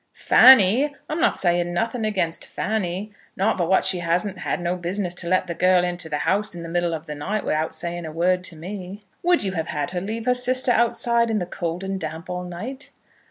"Fanny! I'm not saying nothing against Fanny. Not but what she hadn't no business to let the girl into the house in the middle of the night without saying a word to me." "Would you have had her leave her sister outside in the cold and damp all night?"